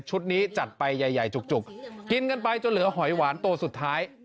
นี้จัดไปใหญ่จุกกินกันไปจนเหลือหอยหวานตัวสุดท้าย